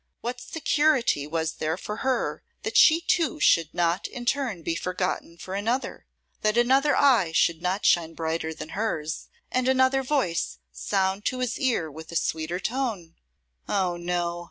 What security was there for her that she too should not in turn be forgotten for another? that another eye should not shine brighter than hers, and another voice sound to his ear with a sweeter tone? Oh, no!